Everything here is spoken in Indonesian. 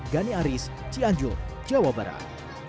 gani aris cianjur jawa barat